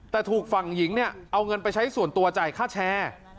แต่ถูกฝั่งหญิงเนี่ยเอาเงินไปใช้ส่วนตัวจ่ายค่าแชร์